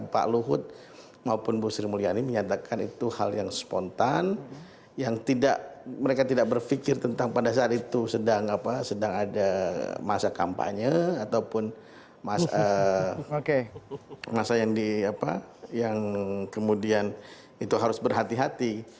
pak luhut maupun bu sri mulyani menyatakan itu hal yang spontan yang tidak mereka tidak berpikir tentang pada saat itu sedang ada masa kampanye ataupun masa yang kemudian itu harus berhati hati